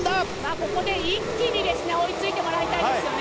ここで一気に追いついてもらいたいですね。